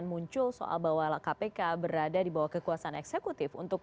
atau mungkin soal lembaga independen ini akan muncul soal kpk berada di bawah kekuasaan eksekutif